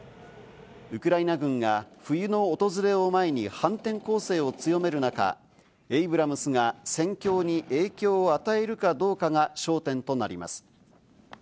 ウクライナ軍が冬の訪れを前に反転攻勢を強める中、エイブラムスが戦況に影響を与えるかどうかが焦点となります。